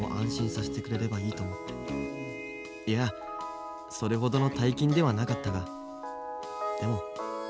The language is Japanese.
いやそれほどの大金ではなかったがでも。